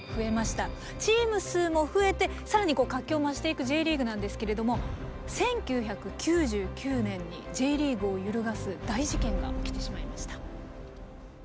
チーム数も増えて更に活気を増していくＪリーグなんですけれども１９９９年にＪリーグを揺るがす大事件が起きてしまいました。